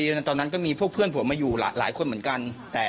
ตอนนั้นก็มีพวกเพื่อนผมมาอยู่หลายคนเหมือนกัน